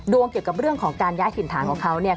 เกี่ยวกับเรื่องของการย้ายถิ่นฐานของเขาเนี่ย